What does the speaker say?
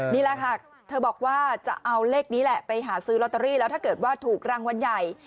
นี่แหละค่ะเธอบอกว่าจะเอาเลขนี้แหละไปหาซื้อลอตเตอรี่แล้วถ้าเกิดว่าถูกรางวัลใหญ่